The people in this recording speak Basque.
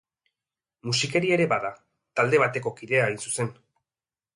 Musikaria ere bada, talde bateko kidea, hain zuzen.